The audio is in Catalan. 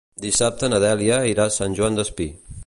Dissabte na Dèlia irà a Sant Joan Despí.